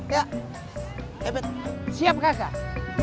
eh bet siap kakak